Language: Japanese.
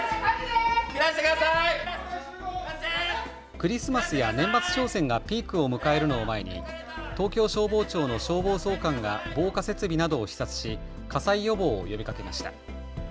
クリスマスや年末商戦がピークを迎えるのを前に東京消防庁の消防総監が防火設備などを視察し火災予防を呼びかけました。